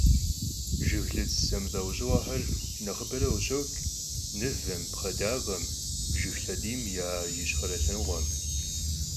Jjıglıts zemılh'eujığuexer nexhıbere khışoç' mıvem, pxhedakhem, jjıg lhediym ya yişxhere lhenıkhuem.